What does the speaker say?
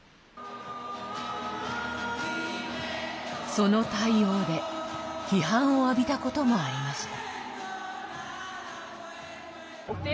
その対応で批判を浴びたこともありました。